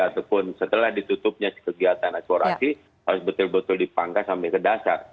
ataupun setelah ditutupnya si kegiatan eksplorasi harus betul betul dipangkas sampai ke dasar